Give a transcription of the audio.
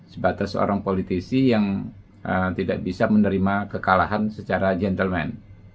sebatas seorang politisi yang tidak bisa menerima kekalahan secara gentleman